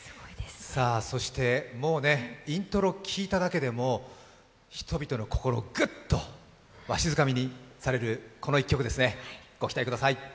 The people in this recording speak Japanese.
そしてもう、イントロ聴いただけでも人々の心をグッとわしづかみにされるこの一曲ですね、ご期待ください。